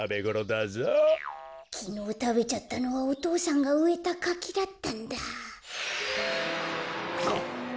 こころのこえきのうたべちゃったのはお父さんがうえたかきだったんだ。